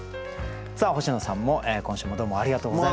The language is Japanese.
星野さんも今週もどうもありがとうございました。